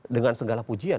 dengan segala pujian